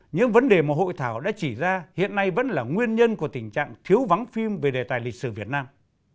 những vấn đề mà hội thảo đã chỉ ra hiện nay vẫn là nguyên nhân của tình trạng thiếu vắng phim về đề tài lịch sử việt nam